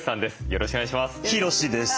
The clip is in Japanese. よろしくお願いします。